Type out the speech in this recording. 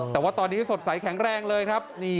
แต่ว่าตอนนี้สดใสแข็งแรงเลยครับ